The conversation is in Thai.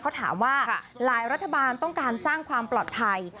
เขาถามว่าหลายรัฐบาลต้องการสร้างความปลอดภัย